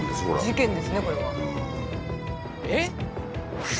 事件ですねこれは。